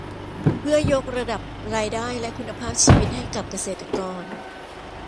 เพื่อยกระดับรายได้และคุณภาพชีวิตให้กับเกษตรกร